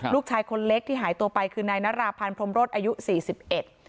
ลูกชายคนเล็กที่หายตัวไปคือนายนราพันธ์พรมรสอายุสี่สิบเอ็ด